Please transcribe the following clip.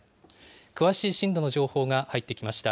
詳しい震度の情報が入ってきました。